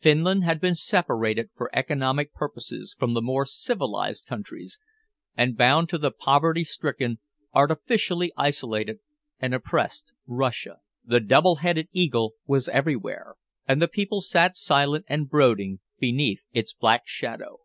Finland had been separated for economic purposes from the more civilized countries, and bound to the poverty stricken, artificially isolated and oppressed Russia. The double headed eagle was everywhere, and the people sat silent and brooding beneath its black shadow.